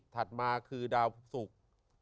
ถัดมาคือดาวศุกร์